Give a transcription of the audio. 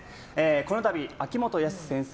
このたび、秋元康先生